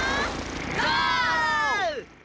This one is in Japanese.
ゴー！